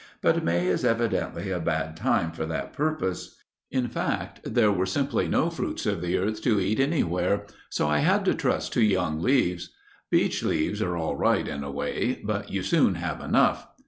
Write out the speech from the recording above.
But May is evidently a bad time for that purpose. In fact, there were simply no fruits of the earth to eat anywhere, so I had to trust to young leaves. Beech leaves are all right in a way, but you soon have enough.